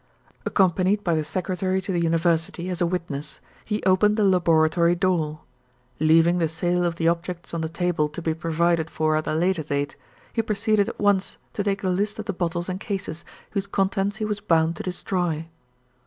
"Accompanied by the Secretary to the University, as a witness, he opened the laboratory door. Leaving the sale of the objects on the table to be provided for at a later date, he proceeded at once to take the list of the bottles and cases, whose contents he was bound to destroy.